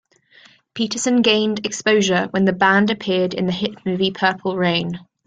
Peterson gained exposure when the band appeared in the hit movie "Purple Rain".